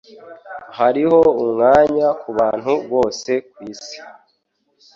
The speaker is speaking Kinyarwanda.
Hariho umwanya kubantu bose kwisi.